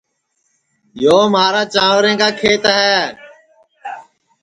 یو مھارا چانٚورے کا کھیت ہے